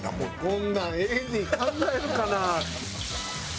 こんなんＡＤ考えるかな？